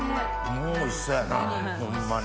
もうおいしそうやなホンマに。